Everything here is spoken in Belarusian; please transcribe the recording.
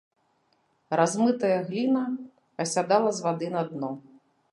Размытая гліна асядала з вады на дно.